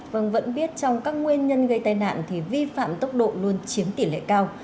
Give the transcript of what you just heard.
vâng vẫn biết trong các nguyên nhân gây tai nạn thì vi phạm tốc độ luôn chiếm tỷ lệ cao